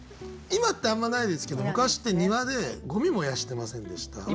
今ってあんまないですけど昔って庭でゴミ燃やしてませんでした？